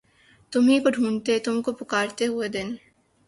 تمہی کو ڈھونڈتے تم کو پکارتے ہوئے دن